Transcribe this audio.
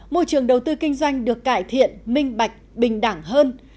môi trường đầu tư kinh doanh được cải thiện minh bạch bình đẳng hơn